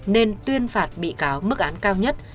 nên tuyên phạt bị cáo mức án cao nhất